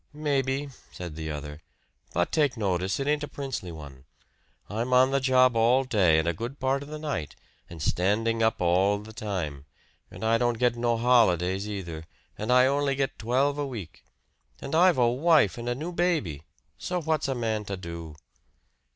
"Maybe," said the other. "But take notice, it ain't a princely one. I'm on the job all day and a good part of the night, and standing up all the time. And I don't get no holidays either and I only get twelve a week. And I've a wife and a new baby. So what's a man to do?"